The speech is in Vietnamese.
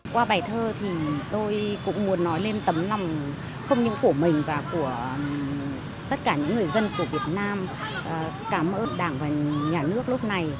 qua bài thơ thì tôi cũng muốn nói lên tấm lòng không những của mình và của tất cả những người dân của việt nam cảm ơn đảng và nhà nước lúc này